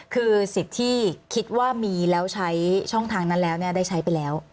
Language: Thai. คือสิทธิ์ที่คิดว่ามีแล้วใช้ช่องทางนั้นแล้วได้ใช้ไปแล้ว